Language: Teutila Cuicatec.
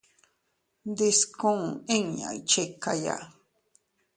Ndiskuu inña iychikaya.